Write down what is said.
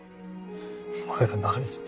お前ら何言って。